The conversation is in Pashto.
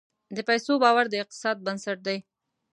د پیسو باور د اقتصاد بنسټ دی.